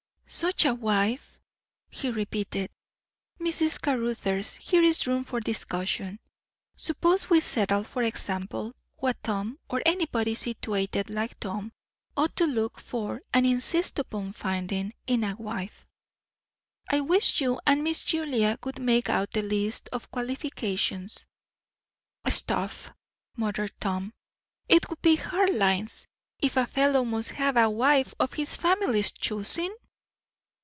"Such a wife " he repeated. "Mrs. Caruthers, here is room for discussion. Suppose we settle, for example, what Tom, or anybody situated like Tom, ought to look for and insist upon finding, in a wife. I wish you and Miss Julia would make out the list of qualifications." "Stuff!" muttered Tom. "It would be hard lines, if a fellow must have a wife of his family's choosing!"